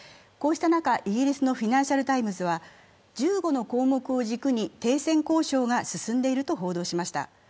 こうした中、イギリスの「フィナンシャル・タイムズ」は１５の項目を軸に停戦交渉が進んでいると報道しました。